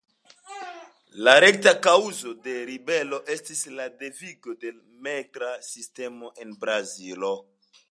La rekta kaŭzo de ribelo estis la devigo de metra sistemo en Brazilo.